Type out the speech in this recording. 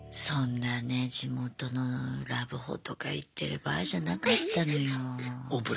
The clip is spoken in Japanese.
そんなね地元のラブホとか行ってる場合じゃなかったのよ。